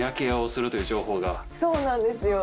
そうなんですよ。